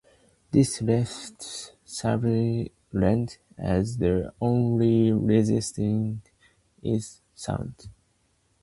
This left Sutherland as the only permanent resident in Milford Sound.